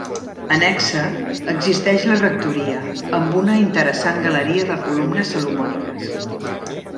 Annexa, existeix la rectoria amb una interessant galeria de columnes salomòniques.